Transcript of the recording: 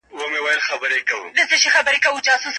ماشوم د غونډۍ له سره په ډېرې تېزۍ راکښته شو.